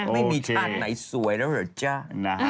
ไม่มีชาติไหนสวยแล้วเหรอจ๊ะ